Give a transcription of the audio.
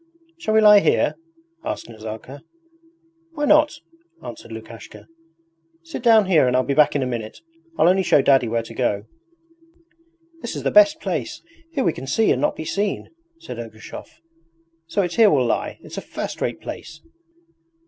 'Shall we lie here?' asked Nazarka. 'Why not?' answered Lukashka. 'Sit down here and I'll be back in a minute. I'll only show Daddy where to go.' 'This is the best place; here we can see and not be seen,' said Ergushov, 'so it's here we'll lie. It's a first rate place!'